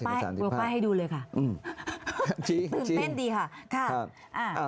เดี๋ยวผมป้ายให้ดูเลยค่ะตื่นเต้นดีค่ะ